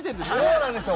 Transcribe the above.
そうなんですよ！